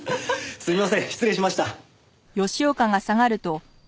すみません失礼しました。